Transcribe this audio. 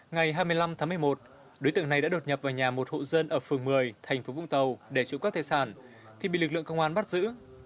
ngày hai mươi năm tháng một mươi một đối tượng này đã đột nhập vào nhà một hộ dân ở phường một mươi tp vũng tàu để trộm gắp tài sản thì bị lực lượng công an bắt giữ